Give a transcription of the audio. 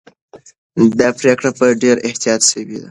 دا پرېکړه په ډېر احتیاط سوې ده.